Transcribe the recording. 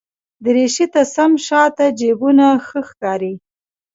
دریشي ته سم شاته جېبونه ښه ښکاري.